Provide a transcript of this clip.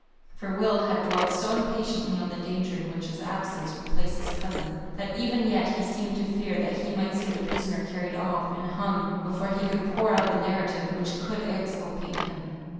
For Will had dwelt so impatiently on the danger in which his absence would place his cousin, that even yet he seemed to fear that he might see the prisoner carried off, and hung, before he could pour out the narrative which would exculpate him.